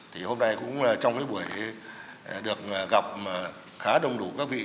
thì hôm nay cũng trong cái buổi được gặp khá đông đủ các quý vị và các quý vị